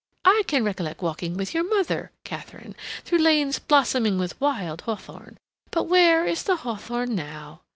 I can recollect walking with your mother, Katharine, through lanes blossoming with wild hawthorn. But where is the hawthorn now?